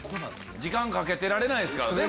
時間かけられないですから。